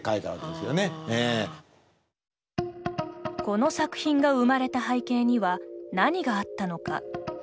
この作品が生まれた背景には何があったのか。